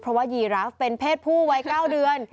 เพราะว่ายีราฟเป็นเพศผู้วัย๙เดือน